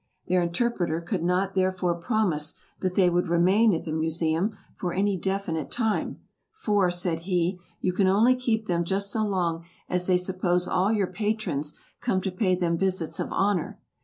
Their interpreter could not therefore promise that they would remain at the Museum for any definite time; "for," said he, "you can only keep them just so long as they suppose all your patrons come to pay them visits of honor.